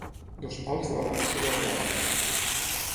Dos pals de la mateixa llargària.